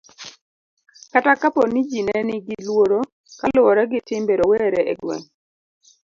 kata kapo ni ji nenigi luoro kaluwore gi timbe rowere e gweng'